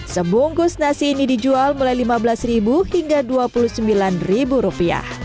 sebungkus nasi ini dijual mulai rp lima belas hingga rp dua puluh sembilan